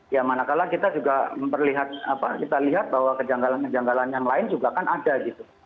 ya mana kalah kita juga memperlihat kita lihat bahwa kejanggalan kejanggalan yang lain juga kan ada gitu